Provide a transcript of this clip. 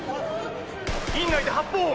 院内で発砲音！